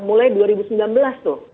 mulai dua ribu sembilan belas tuh